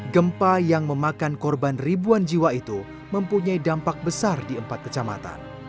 gempa yang memakan korban ribuan jiwa itu mempunyai dampak besar di empat kecamatan